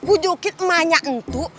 ujukin emanya ntuk